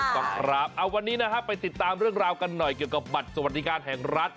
ต้องครับเอาวันนี้นะฮะไปติดตามเรื่องราวกันหน่อยเกี่ยวกับบัตรสวัสดิการแห่งรัฐ